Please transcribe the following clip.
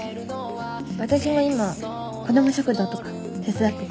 私も今こども食堂とか手伝ってて。